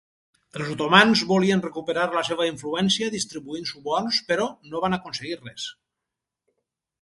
Els otomans volien recuperar la seva influència distribuint suborns però no van aconseguir res.